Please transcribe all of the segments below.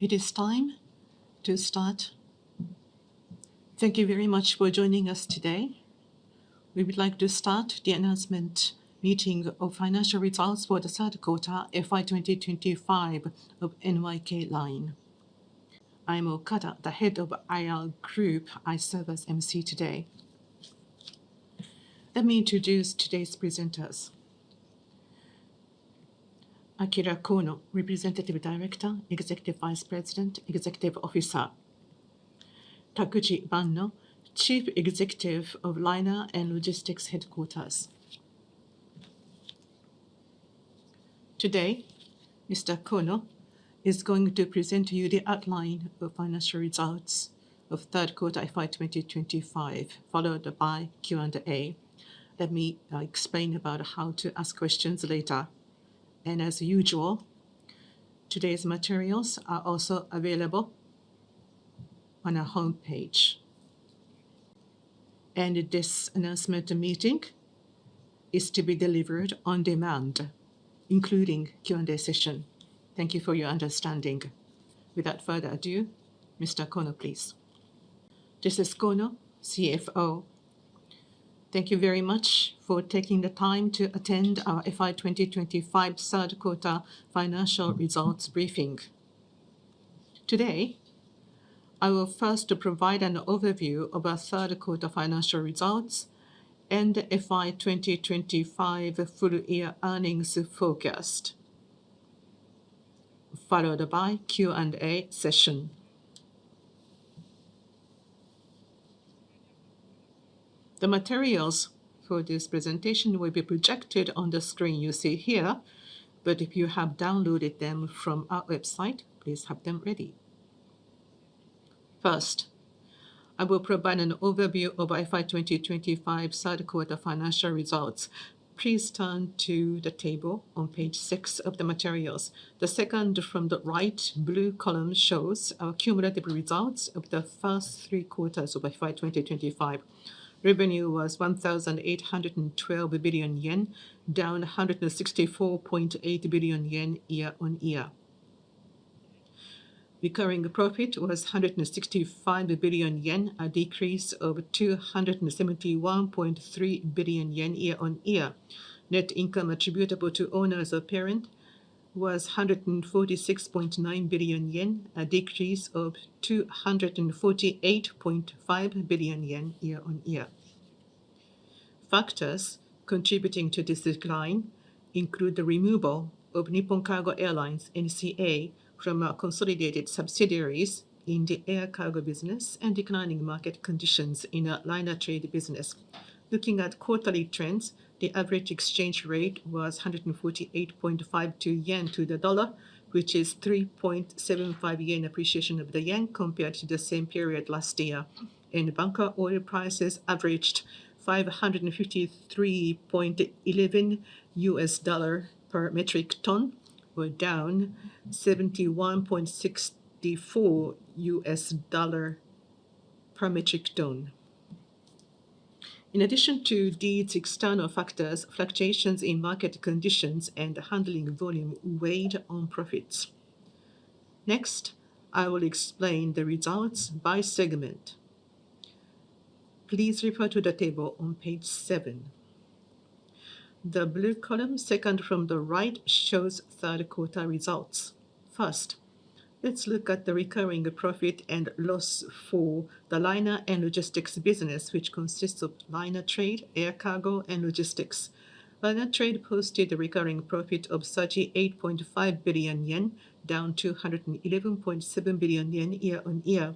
It is time to start. Thank you very much for joining us today. We would like to start the announcement meeting of Financial Results for the Third Quarter FY 2025 of NYK Line. I'm Okada, the head of IR Group. I serve as MC today. Let me introduce today's presenters. Akira Kono, Representative Director, Executive Vice President Executive Officer. Takuji Banno, Chief Executive of Liner & Logistics Headquarters. Today, Mr. Kono is going to present to you the outline of Financial Results of Third Quarter FY 2025, followed by Q&A. Let me explain about how to ask questions later. As usual, today's materials are also available on our homepage. This announcement meeting is to be delivered on demand, including Q&A session. Thank you for your understanding. Without further ado, Mr. Kono, please. This is Kono, CFO. Thank you very much for taking the time to attend our FY 2025 Third Quarter Financial Results briefing. Today, I will first provide an overview of our third quarter financial results and the FY 2025 full-year earnings forecast, followed by Q&A session. The materials for this presentation will be projected on the screen you see here, but if you have downloaded them from our website, please have them ready. First, I will provide an overview of our FY 2025 third quarter financial results. Please turn to the table on page six of the materials. The second from the right blue column shows our cumulative results of the first three quarters of FY 2025. Revenue was 1,812 billion yen, down 164.8 billion yen year-on-year. Recurring profit was 165 billion yen, a decrease of 271.3 billion yen year-on-year. Net income attributable to owners of parent was 146.9 billion yen, a decrease of 248.5 billion yen year-on-year. Factors contributing to this decline include the removal of Nippon Cargo Airlines, NCA, from our consolidated subsidiaries in the Air Cargo business and declining market conditions in our Liner Trade business. Looking at quarterly trends, the average exchange rate was 148.52 yen to the dollar, which is 3.75 yen appreciation of the yen compared to the same period last year. Bunker oil prices averaged $553.11 per metric ton, or down $71.64 per metric ton. In addition to these external factors, fluctuations in market conditions and handling volume weighed on profits. Next, I will explain the results by segment. Please refer to the table on page seven. The blue column, second from the right, shows third quarter results. First, let's look at the recurring profit and loss for the Liner & Logistics business, which consists of Liner Trade, Air Cargo, and Logistics. Liner Trade posted a recurring profit of 38.5 billion yen, down 211.7 billion yen year-on-year.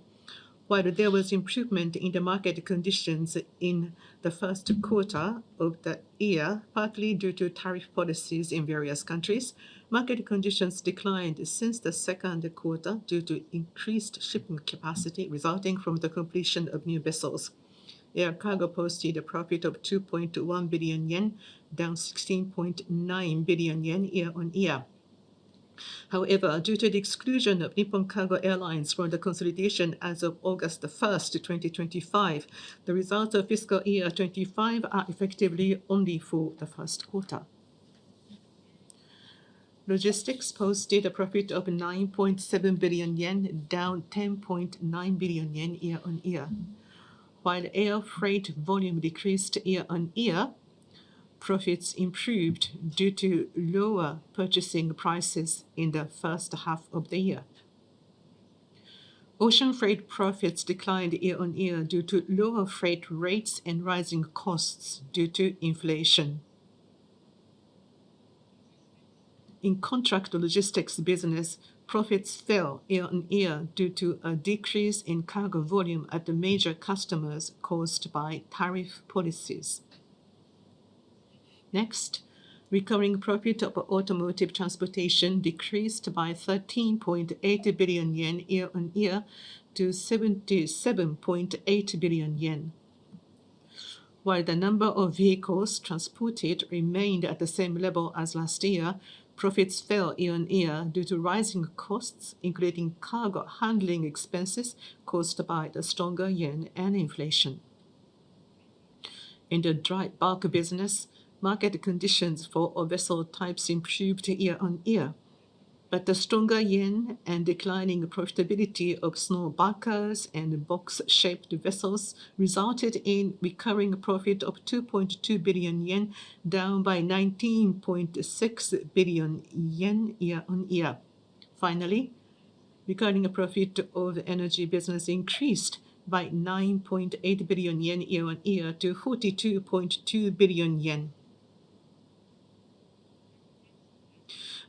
While there was improvement in the market conditions in the first quarter of the year, partly due to tariff policies in various countries, market conditions declined since the second quarter due to increased shipping capacity resulting from the completion of new vessels. Air cargo posted a profit of 2.1 billion yen, down 16.9 billion yen year-on-year. However, due to the exclusion of Nippon Cargo Airlines from the consolidation as of August 1st, 2025, the results of fiscal year 2025 are effectively only for the first quarter. Logistics posted a profit of 9.7 billion yen, down 10.9 billion yen year-on-year. While air freight volume decreased year-on-year, profits improved due to lower purchasing prices in the first half of the year. Ocean freight profits declined year-on-year due to lower freight rates and rising costs due to inflation. In contract Logistics business, profits fell year-on-year due to a decrease in cargo volume at the major customers caused by tariff policies. Next, recurring profit of Automotive transportation decreased by 13.8 billion yen year-over-year to 77.8 billion yen. While the number of vehicles transported remained at the same level as last year, profits fell year-over-year due to rising costs, including cargo handling expenses caused by the stronger yen and inflation. In the Dry Bulk business, market conditions for all vessel types improved year-on-year. The stronger yen and declining profitability of small bulkers and box-shaped vessels resulted in recurring profit of 2.2 billion yen, down by 19.6 billion yen year-on-year. Finally, recurring profit of the energy business increased by 9.8 billion yen year-on-year to 42.2 billion yen.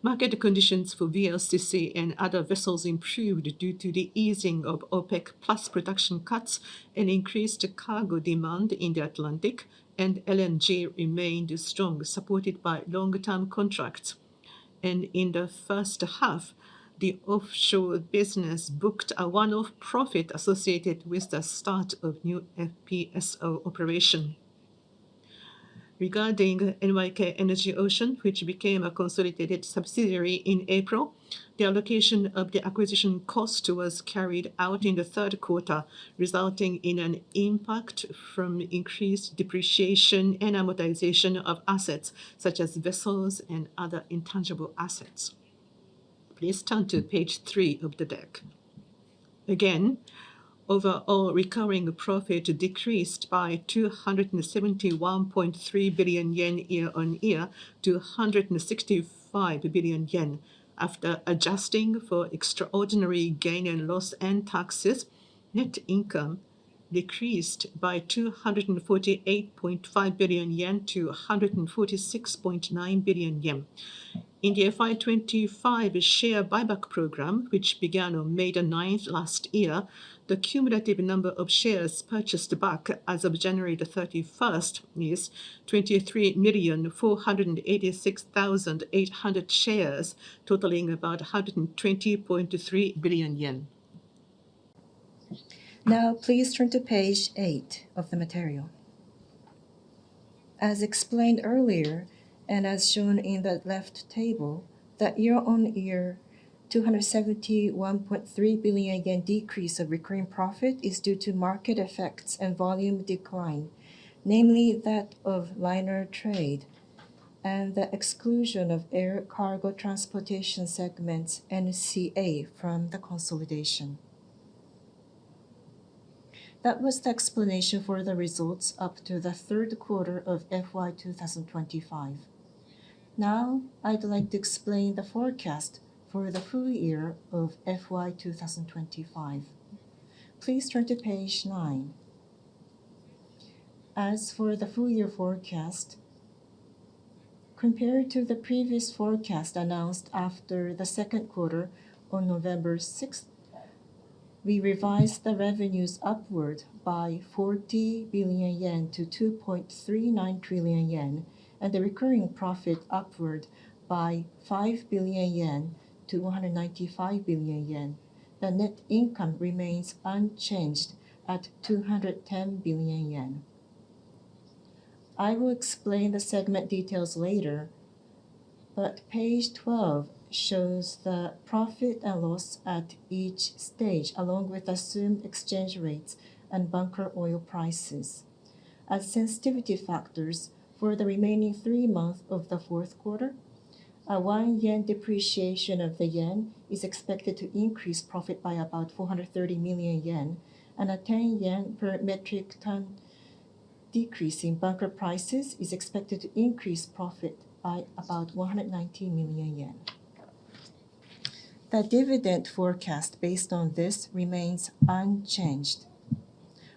Market conditions for VLCC and other vessels improved due to the easing of OPEC+ production cuts and increased cargo demand in the Atlantic, and LNG remained strong, supported by long-term contracts. In the first half, the offshore business booked a one-off profit associated with the start of new FPSO operation. Regarding NYK Energy Ocean, which became a consolidated subsidiary in April, the allocation of the acquisition cost was carried out in the third quarter, resulting in an impact from increased depreciation and amortization of assets, such as vessels and other intangible assets. Please turn to page three of the deck. Again, overall recurring profit decreased by 271.3 billion yen year-on-year to 165 billion yen. After adjusting for extraordinary gain and loss and taxes, net income decreased by 248.5 billion yen to 146.9 billion yen. In the FY 2025 share buyback program, which began on May 9th last year, the cumulative number of shares purchased back as of January 31st is 23,486,800 shares, totaling about 120.3 billion yen. Now please turn to page eight of the material. As explained earlier, as shown in the left table, the year-on-year, 271.3 billion yen decrease of recurring profit is due to market effects and volume decline, namely that of liner trade and the exclusion of air cargo transportation segments and NCA from the consolidation. That was the explanation for the results up to the 3rd quarter of FY 2025. I'd like to explain the forecast for the full year of FY 2025. Please turn to page nine. As for the full year forecast, compared to the previous forecast announced after the second quarter on November 6th, we revised the revenues upward by 40 billion-2.39 trillion yen, and the recurring profit upward by 5 billion-195 billion yen. The net income remains unchanged at 210 billion yen. I will explain the segment details later, page 12 shows the profit and loss at each stage, along with assumed exchange rates and bunker oil prices. As sensitivity factors for the remaining three months of the fourth quarter, a 1 yen depreciation of the yen is expected to increase profit by about 430 million yen, and a 10 yen per metric ton decrease in bunker prices is expected to increase profit by about 190 million yen. The dividend forecast based on this remains unchanged.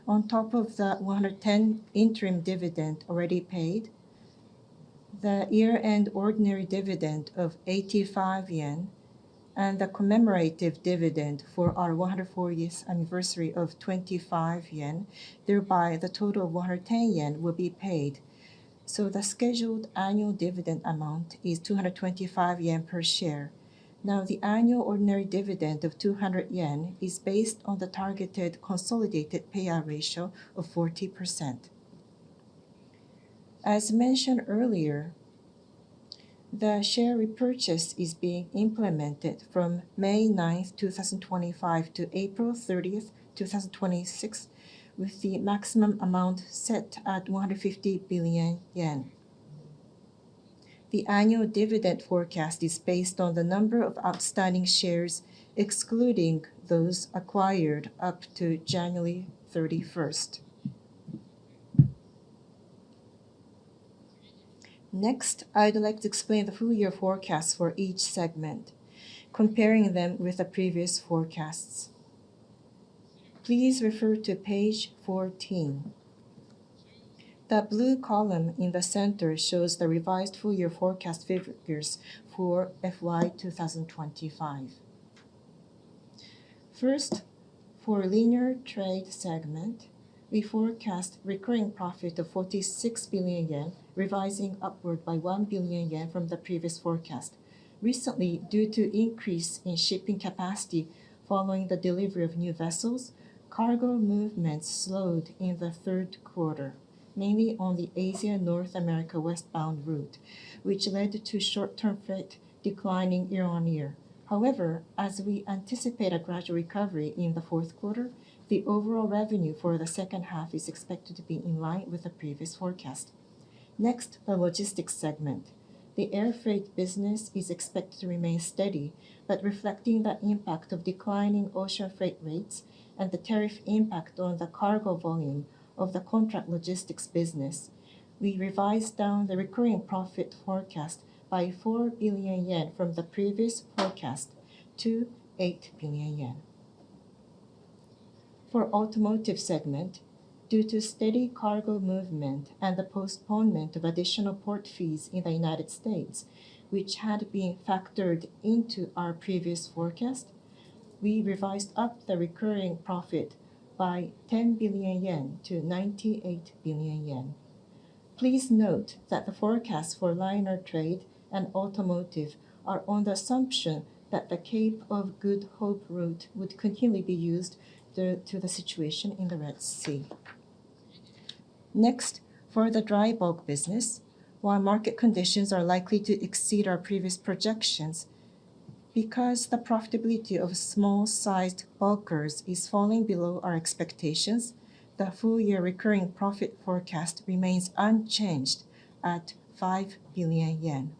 On top of the 110 interim dividend already paid, the year-end ordinary dividend of 85 yen and the commemorative dividend for our 104 years anniversary of 25 yen, thereby the total of 110 yen will be paid. The scheduled annual dividend amount is 225 yen per share. The annual ordinary dividend of 200 yen is based on the targeted consolidated payout ratio of 40%. As mentioned earlier, the share repurchase is being implemented from May 9th, 2025 to April 30th, 2026, with the maximum amount set at 150 billion yen. The annual dividend forecast is based on the number of outstanding shares, excluding those acquired up to January 31st. Next, I'd like to explain the full year forecast for each segment, comparing them with the previous forecasts. Please refer to page 14. The blue column in the center shows the revised full year forecast figures for FY 2025. First, for liner trade segment, we forecast recurring profit of 46 billion yen, revising upward by 1 billion yen from the previous forecast. Recently, due to increase in shipping capacity following the delivery of new vessels, cargo movements slowed in the third quarter, mainly on the Asia-North America westbound route, which led to short-term freight declining year-on-year. As we anticipate a gradual recovery in the fourth quarter, the overall revenue for the second half is expected to be in line with the previous forecast. Next, the logistics segment. The air freight business is expected to remain steady, reflecting the impact of declining ocean freight rates and the tariff impact on the cargo volume of the contract logistics business, we revised down the recurring profit forecast by 4 billion yen from the previous forecast to 8 billion yen. For automotive segment, due to steady cargo movement and the postponement of additional port fees in the United States, which had been factored into our previous forecast, we revised up the recurring profit by 10 billion-98 billion yen. Please note that the forecast for liner trade and automotive are on the assumption that the Cape of Good Hope route would continually be used due to the situation in the Red Sea. Next, for the Dry Bulk business, while market conditions are likely to exceed our previous projections, because the profitability of small bulkers is falling below our expectations, the full-year recurring profit forecast remains unchanged at 5 billion yen.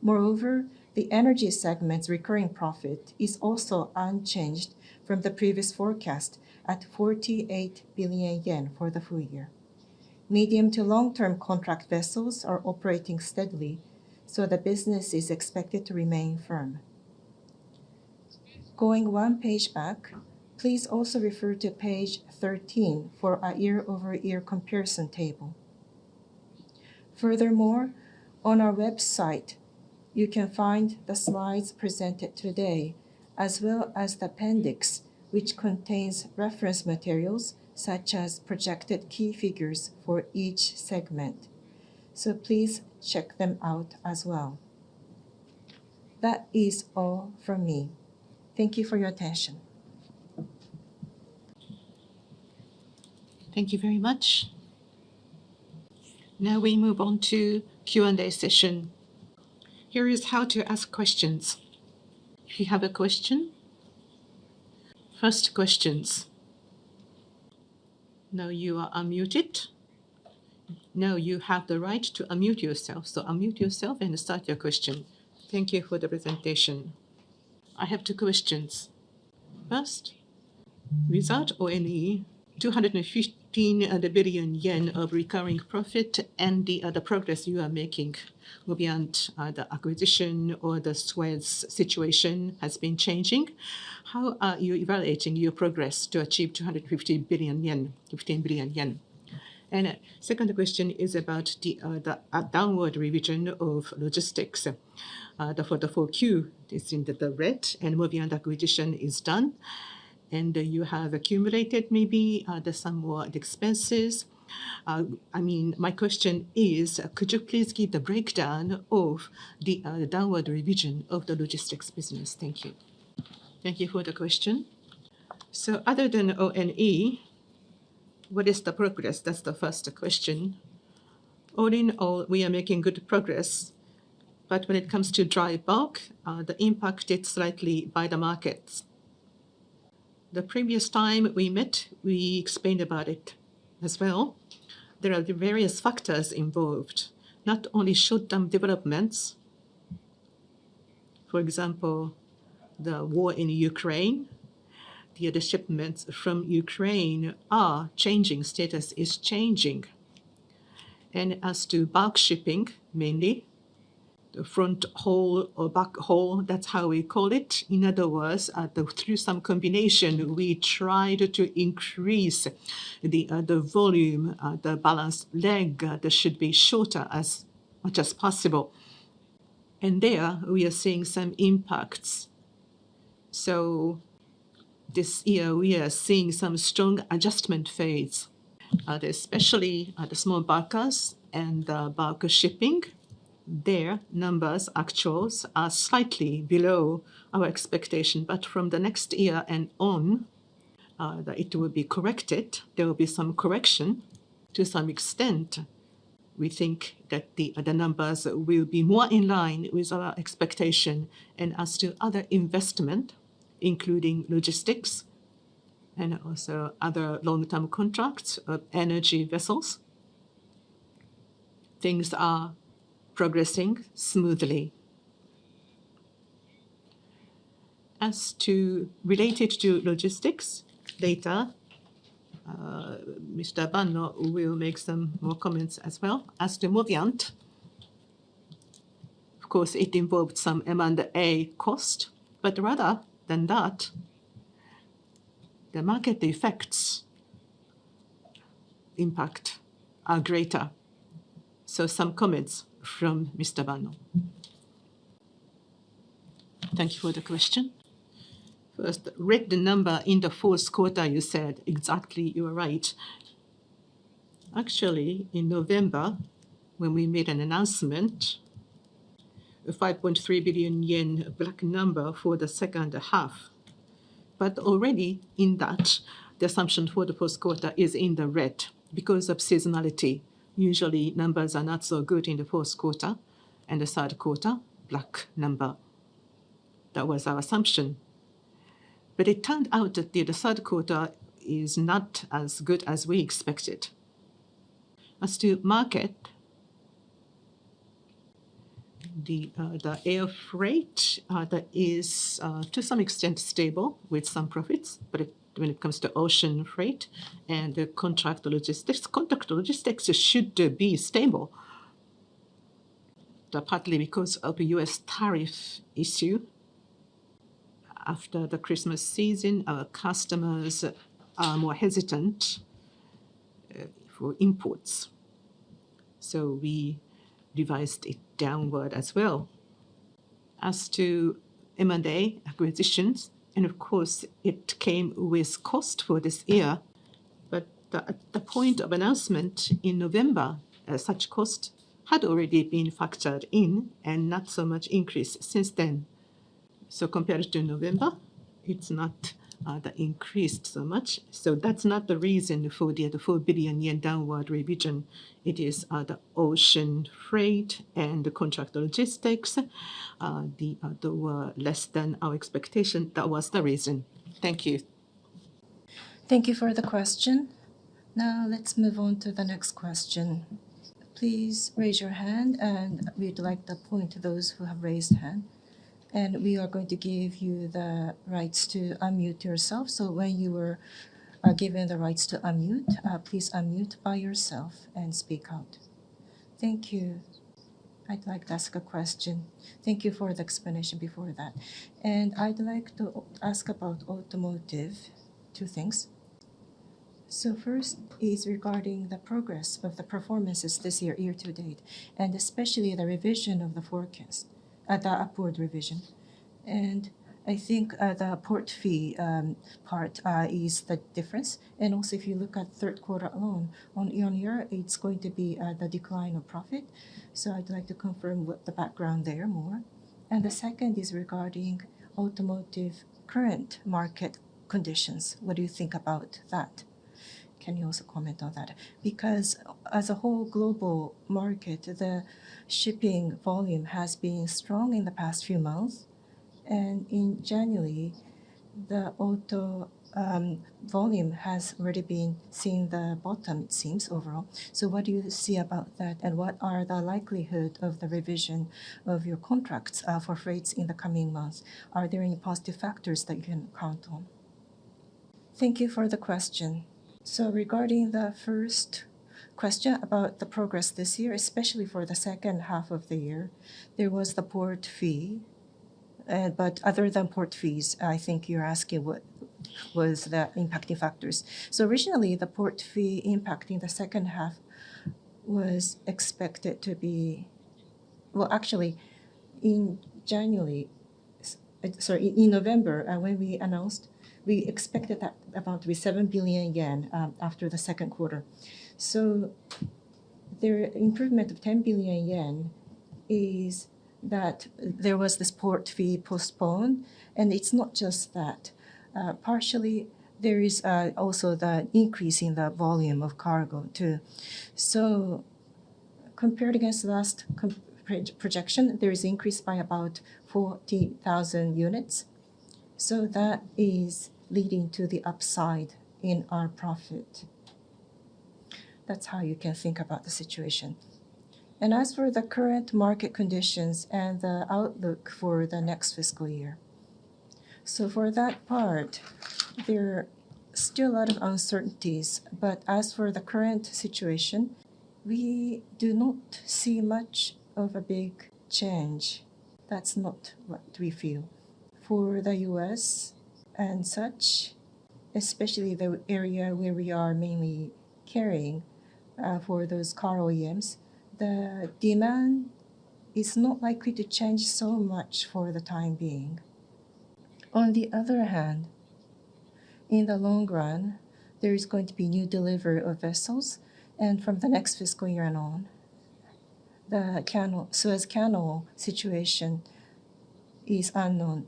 Moreover, the energy segment's recurring profit is also unchanged from the previous forecast at 48 billion yen for the full year. Medium-to-long-term contract vessels are operating steadily, so the business is expected to remain firm. Going one page back, please also refer to page 13 for a year-over-year comparison table. Furthermore, on our website, you can find the slides presented today, as well as the appendix, which contains reference materials, such as projected key figures for each segment. Please check them out as well. That is all from me. Thank you for your attention. Thank you very much. We move on to Q&A session. Here is how to ask questions. If you have a question... First questions. You are unmuted. You have the right to unmute yourself, so unmute yourself and start your question. Thank you for the presentation. I have two questions. First, result or any 215 billion yen of recurring profit, the progress you are making will be on the acquisition or the Suez situation has been changing. How are you evaluating your progress to achieve 215 billion yen? Second question is about the downward revision of logistics. For the 4Q, it's in the red, and will be on the acquisition is done, and you have accumulated maybe some more expenses. I mean, my question is: could you please give the breakdown of the downward revision of the Logistics business? Thank you. Thank you for the question. Other than O&E, what is the progress? That's the first question. All in all, we are making good progress, but when it comes to Dry Bulk, the impact is slightly by the markets. The previous time we met, we explained about it as well. There are the various factors involved, not only short-term developments, for example, the war in Ukraine. The other shipments from Ukraine are changing, status is changing. As to bulk shipping, mainly, the fronthaul or backhaul, that's how we call it. In other words, through some combination, we tried to increase the volume, the ballast leg, that should be shorter as much as possible. There, we are seeing some impacts. This year, we are seeing some strong adjustment phase, especially at the small bulkers and the bulker shipping. Their numbers, actuals, are slightly below our expectation. From the next year and on, it will be corrected. There will be some correction to some extent. We think that the numbers will be more in line with our expectation. As to other investment, including logistics and also other long-term contracts, energy vessels, things are progressing smoothly. As to related to logistics, later, Mr. Banno will make some more comments as well. As to Movianto, of course, it involved some M&A cost, but rather than that, the market effects impact are greater. Some comments from Mr. Banno. Thank you for the question. First, read the number in the fourth quarter, you said. Exactly, you are right. Actually, in November, when we made an announcement, a 5.3 billion yen black number for the 2nd half, but already in that, the assumption for the first quarter is in the red because of seasonality. Usually, numbers are not so good in the first quarter and the third quarter, black number. That was our assumption. But it turned out that the, the third quarter is not as good as we expected. As to market, the air freight that is to some extent stable with some profits, but it, when it comes to ocean freight and the contract logistics, contract logistics should be stable. Partly because of the U.S. tariff issue, after the Christmas season, our customers are more hesitant for imports, so we revised it downward as well. As to M&A acquisitions, and of course, it came with cost for this year, but the point of announcement in November, such cost had already been factored in and not so much increase since then. Compared to November, it's not the increase so much, so that's not the reason for the, the 4 billion yen downward revision. It is the ocean freight and the contract logistics, less than our expectation. That was the reason. Thank you. Thank you for the question. Let's move on to the next question. Please raise your hand, and we'd like to point to those who have raised hand, and we are going to give you the rights to unmute yourself. When you are given the rights to unmute, please unmute by yourself and speak out. Thank you. I'd like to ask a question. Thank you for the explanation before that. I'd like to ask about automotive, two things. First is regarding the progress of the performances this year, year-to-date, and especially the revision of the forecast, the upward revision. I think the port fee part is the difference. Also, if you look at third quarter alone, on year-on-year, it's going to be the decline of profit. I'd like to confirm what the background there more. The second is regarding automotive current market conditions. What do you think about that? Can you also comment on that? As a whole global market, the shipping volume has been strong in the past few months, and in January, the auto volume has already been seeing the bottom, it seems, overall. What do you see about that, and what are the likelihood of the revision of your contracts for freights in the coming months? Are there any positive factors that you can count on? Thank you for the question. Regarding the first question about the progress this year, especially for the second half of the year, there was the port fee. Other than port fees, I think you're asking what was the impacting factors. Originally, the port fee impacting the second half was expected to be. Well, actually, in January, sorry, in November, when we announced, we expected that about to be 7 billion yen after the second quarter. The improvement of 10 billion yen is that there was this port fee postponed, and it's not just that. Partially, there is also the increase in the volume of cargo, too. Compared against last projection, there is increase by about 40,000 units, so that is leading to the upside in our profit. That's how you can think about the situation. As for the current market conditions and the outlook for the next fiscal year, for that part, there are still a lot of uncertainties, but as for the current situation, we do not see much of a big change. That's not what we feel. For the U.S. and such, especially the area where we are mainly carrying, for those car OEMs, the demand is not likely to change so much for the time being. On the other hand, in the long run, there is going to be new delivery of vessels. From the next fiscal year and on, the canal, Suez Canal situation is unknown.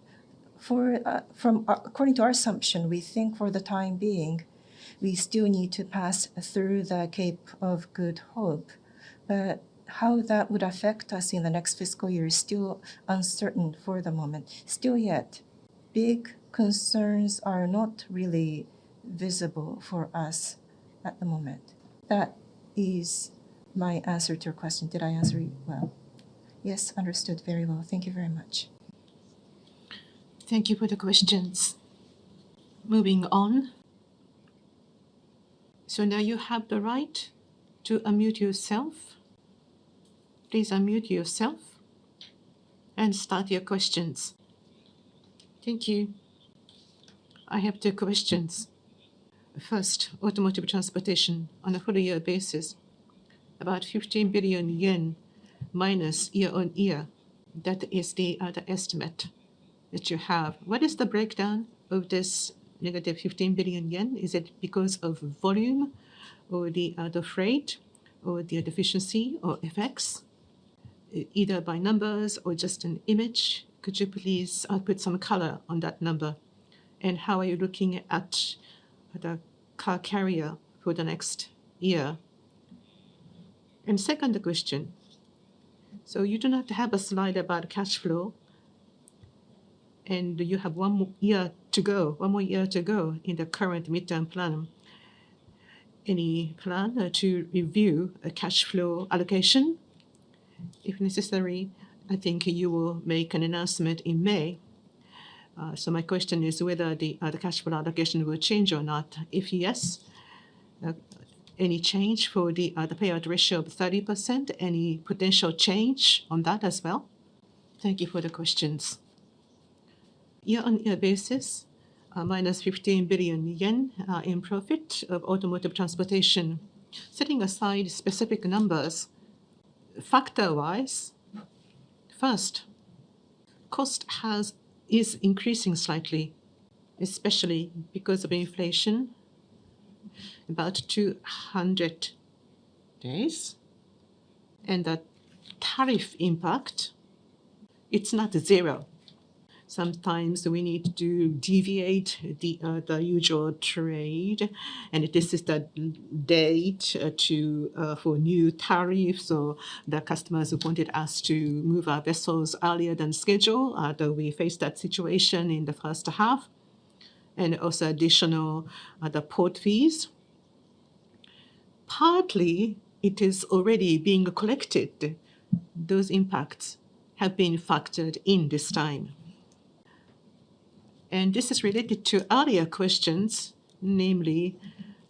According to our assumption, we think for the time being, we still need to pass through the Cape of Good Hope. How that would affect us in the next fiscal year is still uncertain for the moment. Still yet, big concerns are not really visible for us at the moment. That is my answer to your question. Did I answer you well? Yes, understood very well. Thank you very much. Thank you for the questions. Moving on. Now you have the right to unmute yourself. Please unmute yourself and start your questions. Thank you. I have two questions. First, automotive transportation on a full year basis, about 15 billion yen minus year-on-year. That is the estimate that you have. What is the breakdown of this negative 15 billion yen? Is it because of volume or the freight or the deficiency or effects, either by numbers or just an image? Could you please put some color on that number? How are you looking at the car carrier for the next year? Second question. You do not have a slide about cash flow, and you have one more year to go, one more year to go in the current midterm plan. Any plan to review a cash flow allocation? If necessary, I think you will make an announcement in May. My question is whether the cash flow allocation will change or not. If yes, any change for the payout ratio of 30%? Any potential change on that as well? Thank you for the questions. Year-over-year basis, -15 billion yen in profit of automotive transportation. Setting aside specific numbers, factor-wise, first, cost is increasing slightly, especially because of inflation, about 200 days. The tariff impact, it's not zero. Sometimes we need to deviate the usual trade, and this is the date to for new tariff. The customers wanted us to move our vessels earlier than schedule, though we faced that situation in the first half, and also additional, port fees. Partly, it is already being collected. Those impacts have been factored in this time. This is related to earlier questions, namely,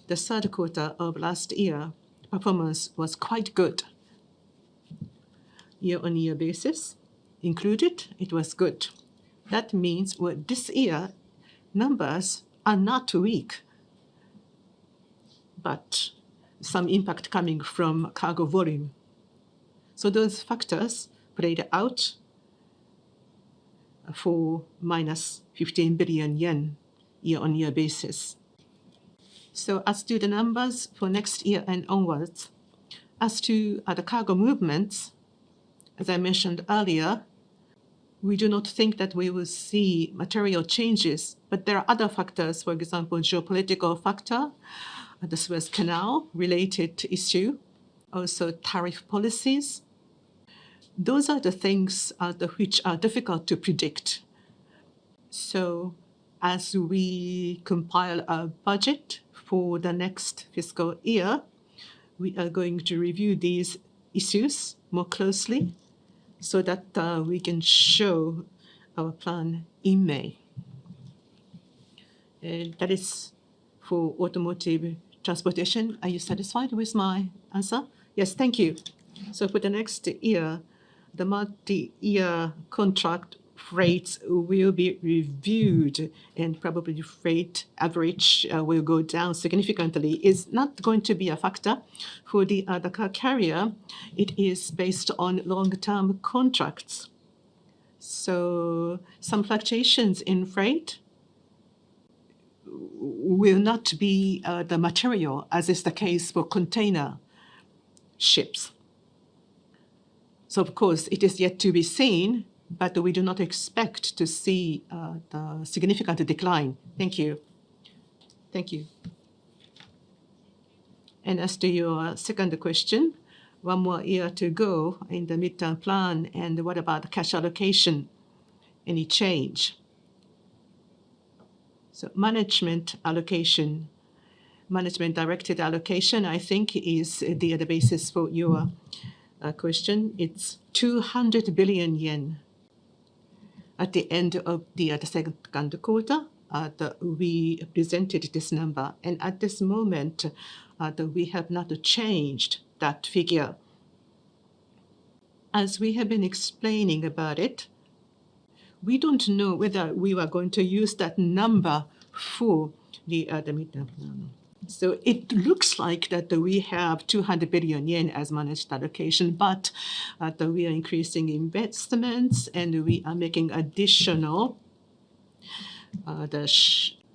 the third quarter of last year, performance was quite good. Year-on-year basis included, it was good. That means that this year, numbers are not weak, but some impact coming from cargo volume. Those factors played out for -JPY 15 billion year-on-year basis. As to the numbers for next year and onwards, as to, the cargo movements, as I mentioned earlier, we do not think that we will see material changes, but there are other factors, for example, geopolitical factor, the Suez Canal related issue, also tariff policies. Those are the things which are difficult to predict. As we compile a budget for the next fiscal year, we are going to review these issues more closely so that we can show our plan in May. That is for automotive transportation. Are you satisfied with my answer? Yes, thank you. For the next year, the multi-year contract rates will be reviewed, and probably freight average will go down significantly. It's not going to be a factor for the car carrier. It is based on long-term contracts. Some fluctuations in freight will not be the material, as is the case for container ships. Of course, it is yet to be seen, but we do not expect to see the significant decline. Thank you. Thank you. As to your second question, one more year to go in the midterm plan, and what about the cash allocation? Any change? Management allocation, management-directed allocation, I think is the basis for your question. It's 200 billion yen. At the end of the second quarter, we presented this number, and at this moment, we have not changed that figure. As we have been explaining about it, we don't know whether we were going to use that number for the midterm plan. It looks like that we have 200 billion yen as managed allocation, but we are increasing investments, and we are making additional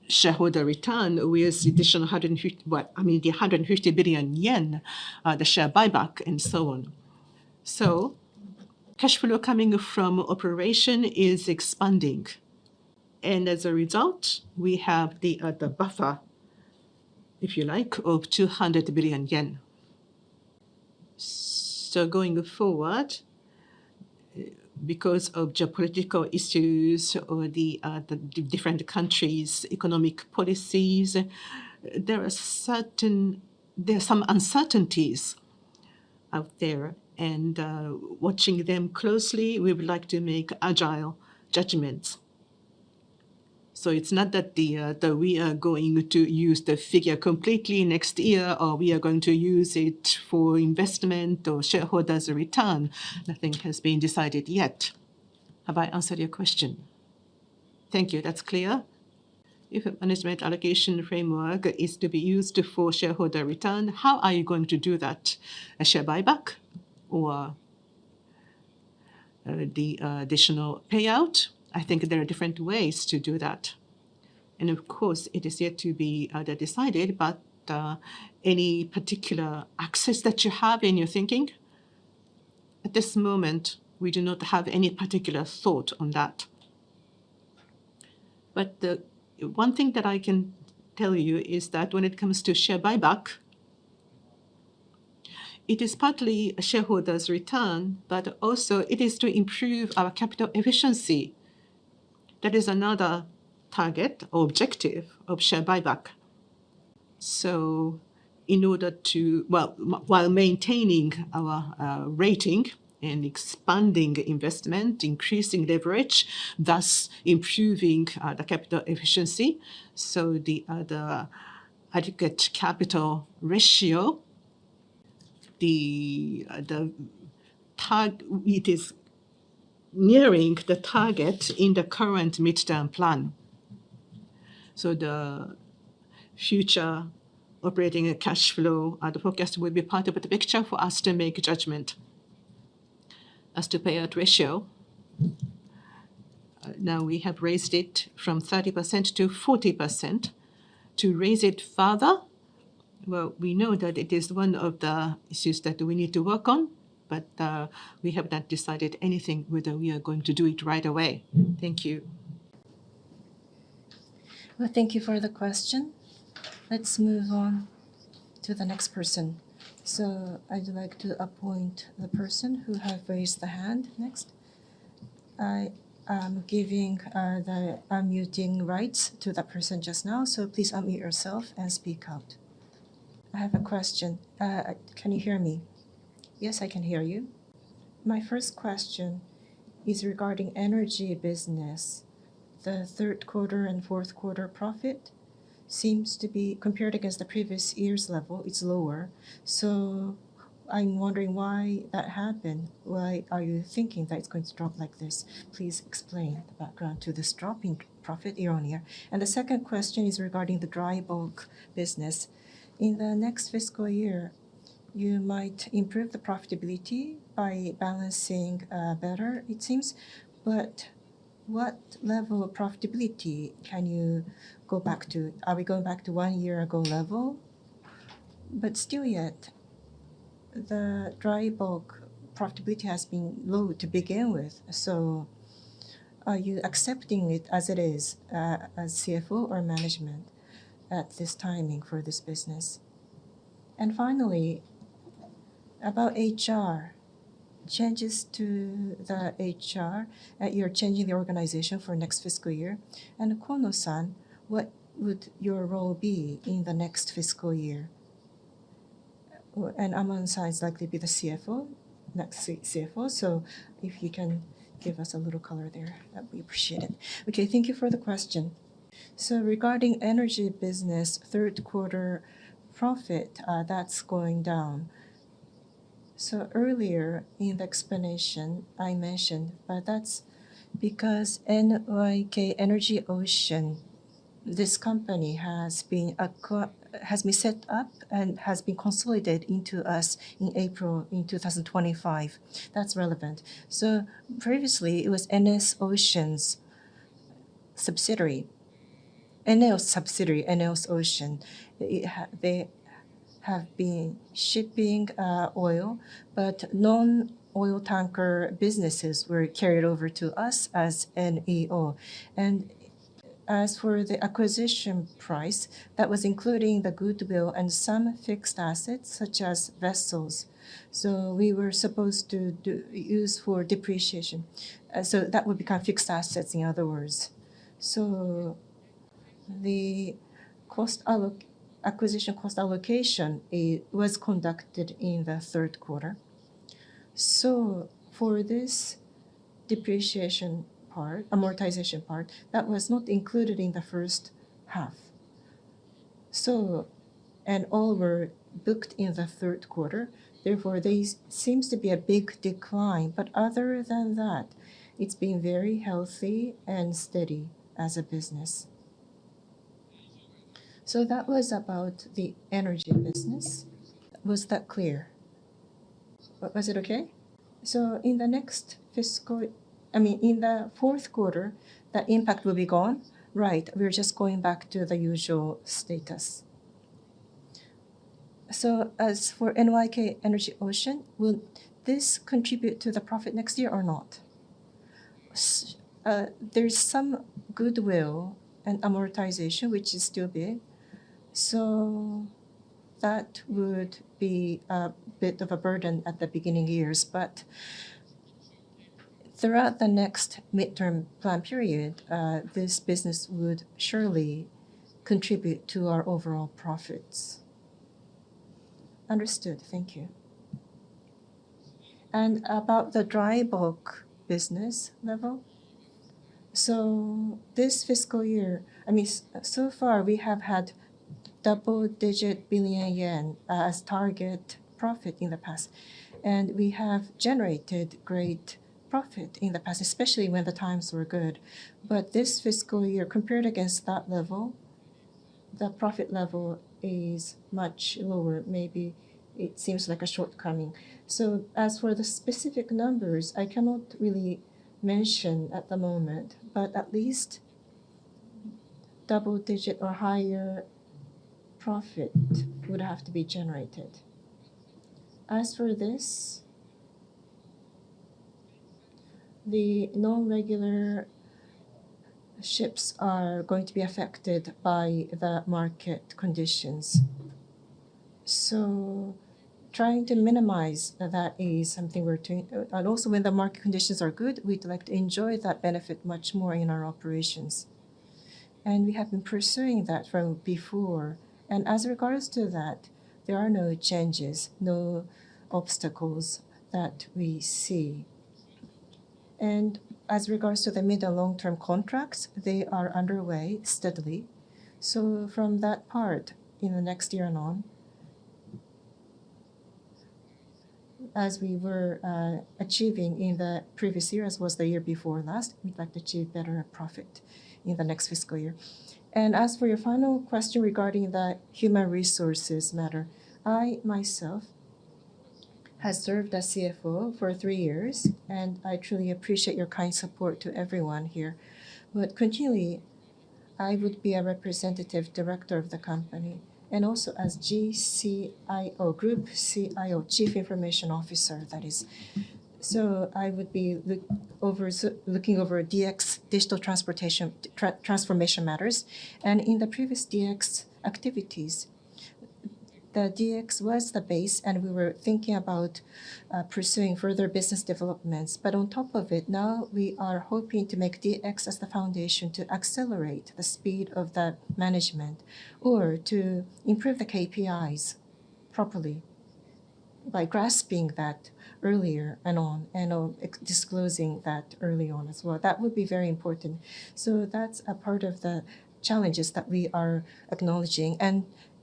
shareholder return with additional, I mean, 150 billion yen, the share buyback, and so on. Cash flow coming from operation is expanding, and as a result, we have the buffer, if you like, of 200 billion yen. Going forward, because of geopolitical issues or the different countries' economic policies, there are some uncertainties out there, and watching them closely, we would like to make agile judgments. It's not that we are going to use the figure completely next year, or we are going to use it for investment or shareholders' return. Nothing has been decided yet. Have I answered your question? Thank you. That's clear. If a management allocation framework is to be used for shareholder return, how are you going to do that? A share buyback or the additional payout? I think there are different ways to do that. Of course, it is yet to be decided, but any particular access that you have in your thinking? At this moment, we do not have any particular thought on that. The one thing that I can tell you is that when it comes to share buyback, it is partly a shareholder's return, but also it is to improve our capital efficiency. That is another target or objective of share buyback. In order to... Well, while maintaining our rating and expanding investment, increasing leverage, thus improving the capital efficiency, the aggregate capital ratio, it is nearing the target in the current midterm plan. The future operating and cash flow forecast will be part of the picture for us to make a judgment. As to payout ratio, now we have raised it from 30%-40%. To raise it further, well, we know that it is one of the issues that we need to work on, but we have not decided anything whether we are going to do it right away. Thank you. Well, thank you for the question. Let's move on to the next person. I'd like to appoint the person who have raised the hand next. I, giving the unmuting rights to that person just now, so please unmute yourself and speak out. I have a question. Can you hear me? Yes, I can hear you. My first question is regarding energy business. The third quarter and fourth quarter profit seems to be, compared against the previous year's level, it's lower. I'm wondering why that happened. Why are you thinking that it's going to drop like this? Please explain the background to this dropping profit year-on-year. The second question is regarding the Dry Bulk business. In the next fiscal year, you might improve the profitability by balancing better, it seems, but what level of profitability can you go back to? Are we going back to one year ago level? Still yet, the Dry Bulk profitability has been low to begin with, so are you accepting it as it is, as CFO or management at this timing for this business? Finally, about HR, changes to the HR, you're changing the organization for next fiscal year. Kono-san, what would your role be in the next fiscal year? Well, Aman-san is likely to be the CFO, next CFO, so if you can give us a little color there, that'd be appreciated. Okay, thank you for the question. Regarding energy business, third quarter profit, that's going down. Earlier in the explanation, I mentioned that's because NYK Energy Ocean, this company, has been acqui- has been set up and has been consolidated into us in April 2025. That's relevant. Previously, it was ENEOS Oceans subsidiary, ENEOS subsidiary, ENEOS Ocean. They have been shipping oil, but non-oil tanker businesses were carried over to us as NEO. As for the acquisition price, that was including the goodwill and some fixed assets, such as vessels. We were supposed to do, use for depreciation, so that would become fixed assets, in other words. The acquisition cost allocation, it was conducted in the third quarter. For this depreciation part, amortization part, that was not included in the first half. All were booked in the third quarter, therefore, this seems to be a big decline, but other than that, it's been very healthy and steady as a business. That was about the energy business. Was that clear? Was it okay? In the next fiscal, I mean, in the fourth quarter, the impact will be gone? Right. We're just going back to the usual status. As for NYK Energy Ocean, will this contribute to the profit next year or not? There's some goodwill and amortization, which is still big, so that would be a bit of a burden at the beginning years. Throughout the next midterm plan period, this business would surely contribute to our overall profits. Understood. Thank you. About the Dry Bulk business level, this fiscal year, I mean so far, we have had double-digit billion yen as target profit in the past, and we have generated great profit in the past, especially when the times were good. This fiscal year, compared against that level, the profit level is much lower. Maybe it seems like a shortcoming. As for the specific numbers, I cannot really mention at the moment, but at least double-digit or higher profit would have to be generated. The non-regular ships are going to be affected by the market conditions. Trying to minimize that is something we're doing. And also, when the market conditions are good, we'd like to enjoy that benefit much more in our operations, and we have been pursuing that from before. And as regards to that, there are no changes, no obstacles that we see. And as regards to the mid or long-term contracts, they are underway steadily. From that part, in the next year and on, as we were achieving in the previous year, as was the year before last, we'd like to achieve better profit in the next fiscal year. As for your final question regarding the human resources matter, I, myself, have served as CFO for three years, and I truly appreciate your kind support to everyone here. Continually, I would be a representative director of the company, and also as GCIO, Group CIO, Chief Information Officer, that is. I would be look over, looking over DX, digital transportation, transformation matters. In the previous DX activities, the DX was the base, and we were thinking about pursuing further business developments. On top of it, now we are hoping to make DX as the foundation to accelerate the speed of that management or to improve the KPIs properly by grasping that earlier and on, and on, disclosing that early on as well. That would be very important. That's a part of the challenges that we are acknowledging.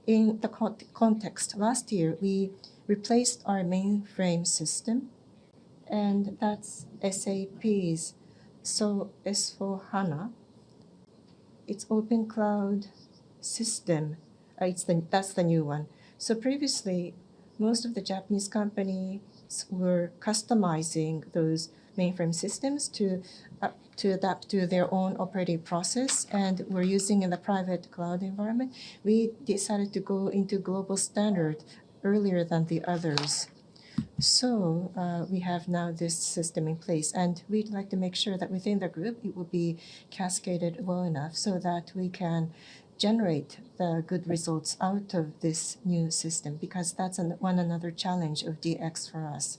In the context, last year, we replaced our mainframe system, and that's SAP's S/4HANA, it's open cloud system. That's the new one. Previously, most of the Japanese companies were customizing those mainframe systems to adapt to their own operating process and were using in the private cloud environment. We decided to go into global standard earlier than the others. We have now this system in place, and we'd like to make sure that within the group, it will be cascaded well enough so that we can generate the good results out of this new system, because that's one another challenge of DX for us.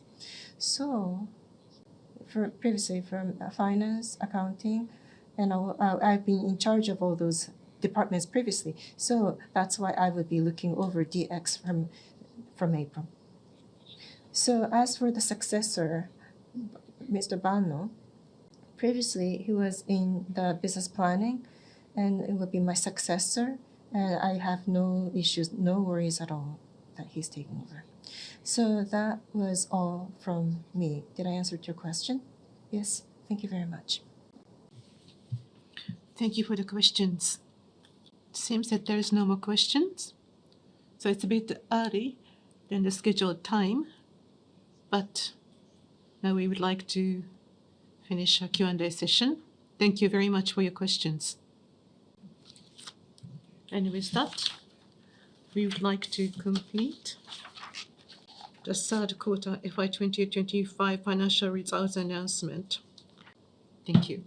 Previously, from finance, accounting, and I, I've been in charge of all those departments previously, so that's why I would be looking over DX from April. As for the successor, Mr. Banno, previously he was in the business planning, and he will be my successor. I have no issues, no worries at all that he's taking over. That was all from me. Did I answer your question? Yes. Thank you very much. Thank you for the questions. Seems that there is no more questions, so it's a bit early than the scheduled time, but now we would like to finish our Q&A session. Thank you very much for your questions. With that, we would like to complete the third quarter FY 2025 financial results announcement. Thank you.